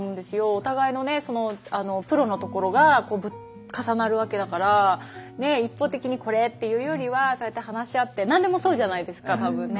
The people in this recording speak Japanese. お互いのねそのプロのところが重なるわけだから一方的にこれっていうよりはそうやって話し合って何でもそうじゃないですか多分ね。